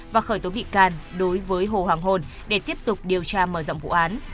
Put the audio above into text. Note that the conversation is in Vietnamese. và khởi tố bị can đối với hồ hoàng hôn để tiếp tục điều tra mở rộng vụ án